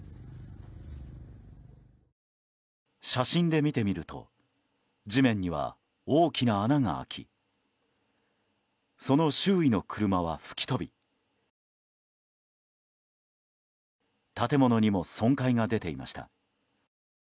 写真で見てみると地面には大きな穴が開きその周囲の車は吹き飛び建物にも損壊が出ていました。